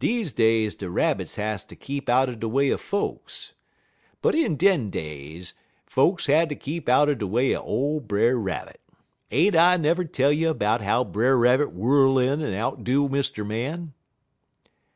Deze days de Rabbits has ter keep out de way er folks, but in dem days folks had ter keep out der way er ole Brer Rabbit. Ain't I never tell you 'bout how Brer Rabbit whirl in en outdo Mr. Man?"